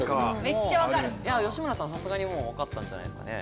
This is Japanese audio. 吉村さん、さすがにわかったんじゃないですかね。